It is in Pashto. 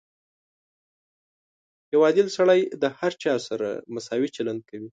• یو عادل سړی د هر چا سره مساوي چلند کوي.